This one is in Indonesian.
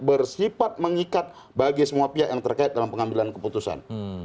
bersifat mengikat bagi semua pihak yang terkait dalam pengambilan keputusan